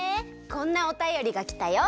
こんなおたよりがきたよ。